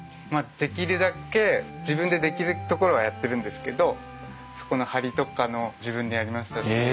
まあできるだけ自分でできるところはやってるんですけどそこの梁とかも自分でやりましたし。